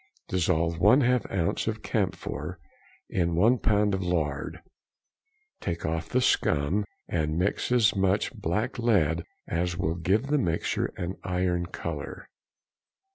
Dissolve 1/2 oz. of camphor in 1 lb. of lard; take off the scum, and mix as much blacklead as will give the mixture an iron colour.